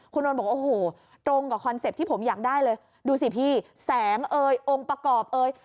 คุณนนท์บอกโอ้โหตรงกับคอนเซ็ปต์ที่ผมอยากได้เลยดูสิพี่แสงเอ่ยองค์ประกอบเอ่ย